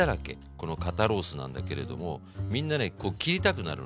この肩ロースなんだけれどもみんなねこう切りたくなるのね。